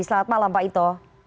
selamat malam pak ito